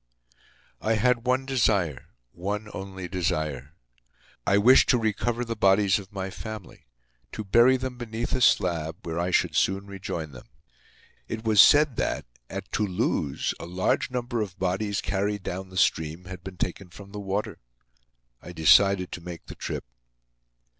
I had one desire, one only desire. I wished to recover the bodies of my family, to bury them beneath a slab, where I should soon rejoin them. It was said that, at Toulouse, a large number of bodies carried down the stream, had been taken from the water. I decided to make the trip.